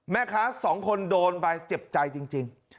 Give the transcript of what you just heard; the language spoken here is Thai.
แม่ค้าสองคนโดนไปเจ็บใจจริง